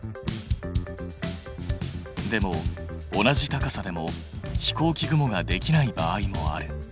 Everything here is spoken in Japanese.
でも同じ高さでも飛行機雲ができない場合もある。